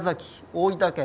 大分県